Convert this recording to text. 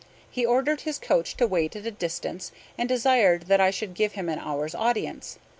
He ordered his coach to wait at a distance, and desired that I would give him an hour's audience.